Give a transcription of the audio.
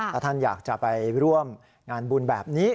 ถ้าท่านอยากจะไปร่วมงานบุญแบบนี้